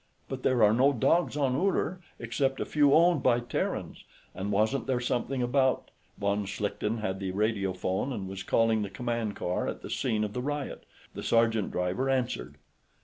"But there are no dogs on Uller, except a few owned by Terrans. And wasn't there something about ...?" Von Schlichten had the radio phone and was calling the command car at the scene of the riot. The sergeant driver answered.